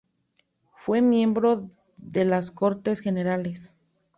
Fue miembro de las Cortes Generales.